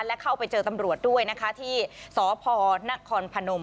และเข้าไปเจอตำรวจด้วยนะคะที่สพนครพนม